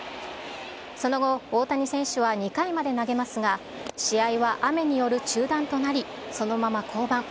その後、大谷選手は２回まで投げますが、試合は雨による中断となり、そのまま降板。